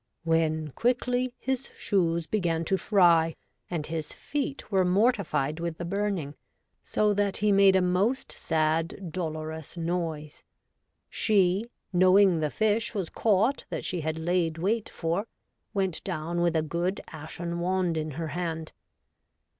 125 when quickly his shoes began to fry, and his feet were mortified with the burning, so that he made a most sad, dolorous noise. She, knowing the fish was caught that she had laid wait for, went down with a good ashen wand in her hand.